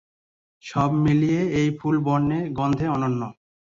সব মিলিয়ে এই ফুল বর্ণে-গন্ধে অনন্য।